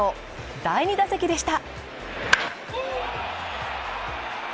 第２打席でした。